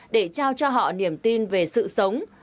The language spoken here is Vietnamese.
để trao cho họ niềm tin về sự sống